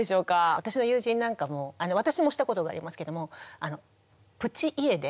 私の友人なんかも私もしたことがありますけどもプチ家出？